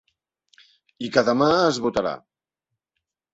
I que demà es votarà.